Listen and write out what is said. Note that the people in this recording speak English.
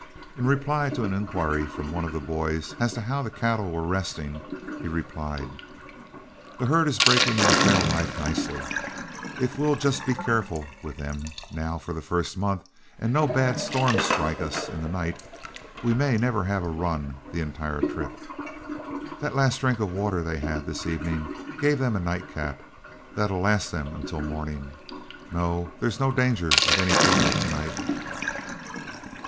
In reply to an inquiry from one of the boys as to how the cattle were resting, he replied, "This herd is breaking into trail life nicely. If we'll just be careful with them now for the first month, and no bad storms strike us in the night, we may never have a run the entire trip. That last drink of water they had this evening gave them a night cap that'll last them until morning. No, there's no danger of any trouble to night."